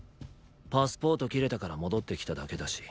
パスポート切れたから戻ってきただけだし。